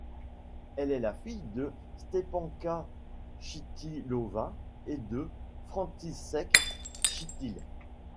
Elle est la fille de Stěpánka Chytilová et de František Chytil.